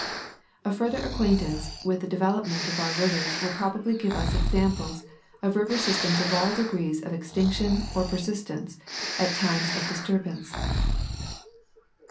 * A fuller acquaintance with the develop ment of our rivers will probably give us examples of river sys tems of all degrees of extinction or persistence at times of dis turbance.